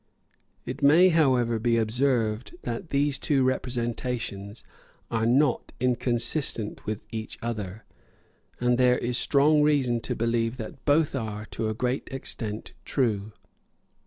It may, however, be observed that these two representations are not inconsistent with each other; and there is strong reason to believe that both are, to a great extent, true.